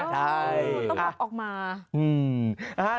ใช่ต้องบอกออกมา